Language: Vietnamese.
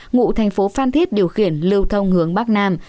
ngụ thành phố phan thiết điều khiển lưu thông hướng bắc nam